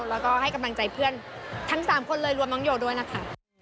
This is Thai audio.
แล้วก็ให้กำลังใจเพื่อนทั้ง๓คนเลยรวมน้องโยด้วยนะคะ